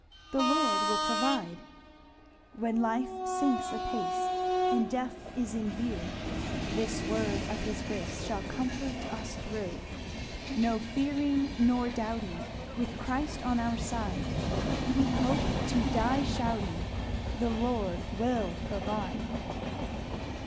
'The Lord will provide.' "When life sinks apace, And death is in view, This word of his grace Shall comfort us through. No fearing nor doubting, With Christ on our side, We hope to die shouting, 'The Lord will provide.'"